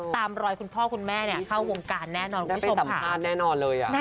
ตามรอยคุณพ่อคุณแม่เนี้ยเข้าโง่งการแน่นอนคุณผู้ชมได้ไปตามภาพแน่นอนเลยอะ